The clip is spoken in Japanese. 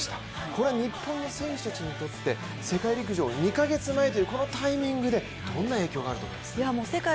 これ、日本の選手たちにとって世界陸上２カ月前というこのタイミングで、どんな影響があると思いますか？